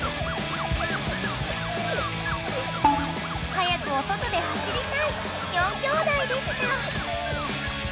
［早くお外で走りたい４きょうだいでした］